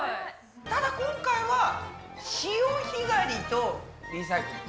ただ今回は「潮干狩りとリサイクル」。